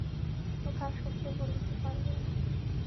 কথা শশী বলিতে পারিল না।